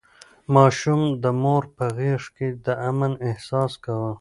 ماشوم د مور په غېږ کې د امن احساس کاوه.